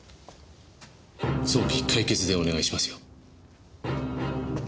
早期解決でお願いしますよ。